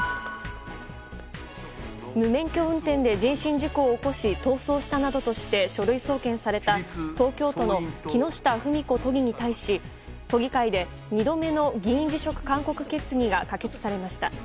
無免許運転で人身事故を起こし逃走したなどとして書類送検された東京都の木下富美子都議に対し都議会で２度目の議員辞職勧告決議が可決されました。